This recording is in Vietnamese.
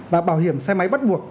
và bảo hiểm xe máy bắt buộc